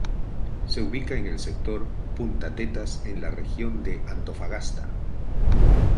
Se ubica en el sector Punta Tetas en la Región de Antofagasta.